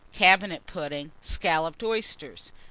Cabinet Pudding. Scalloped Oysters.